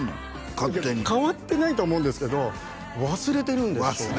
勝手に変わってないとは思うんですけど忘れてるんでしょうね